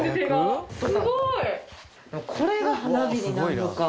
これが花火になるのか。